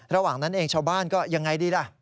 ระหว่างนั้นเองชาวบ้านก็ยังไงดีล่ะ